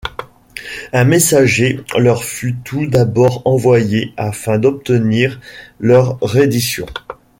Un messager leur fut tout d'abord envoyé afin d'obtenir leur reddition.